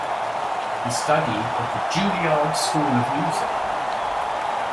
He studied at the Juilliard School of Music.